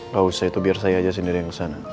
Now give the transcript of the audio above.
gak usah itu biar saya aja sendiri yang kesana